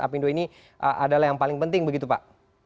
apindo ini adalah yang paling penting begitu pak